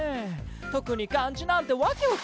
特に漢字なんて訳わかんないね！